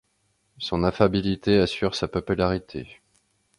Son affabilité assure sa popularité.